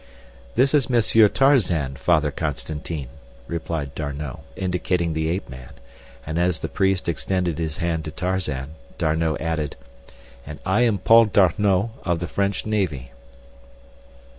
"This is Monsieur Tarzan, Father Constantine," replied D'Arnot, indicating the ape man; and as the priest extended his hand to Tarzan, D'Arnot added: "and I am Paul D'Arnot, of the French Navy."